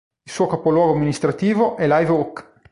Il suo capoluogo amministrativo è Live Oak.